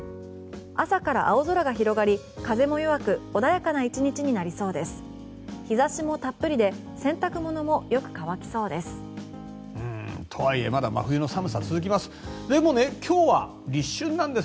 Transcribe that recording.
朝から青空が広がり、風も弱く穏やかな１日になりそうです。